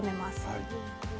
はい。